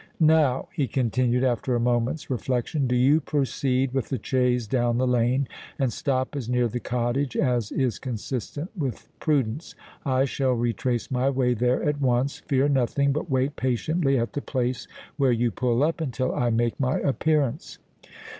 "Now," he continued, after a moment's reflection, "do you proceed with the chaise down the lane, and stop as near the cottage as is consistent with prudence. I shall retrace my way there at once. Fear nothing—but wait patiently at the place where you pull up, until I make my appearance."